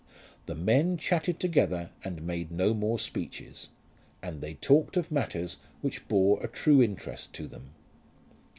The men chatted together and made no more speeches, and they talked of matters which bore a true interest to them.